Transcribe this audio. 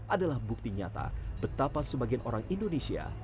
adalah bukti nyata betapa sebagian orang indonesia